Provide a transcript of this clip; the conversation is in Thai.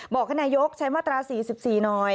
บอกให้นายกใช้มาตรา๔๔หน่อย